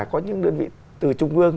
có những đơn vị từ trung ương